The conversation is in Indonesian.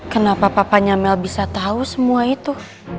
kenapa papa nyamel bisa tahu semua itu